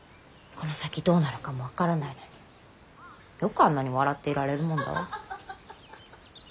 この先どうなるかも分からないのによくあんなに笑っていられるもんだわ。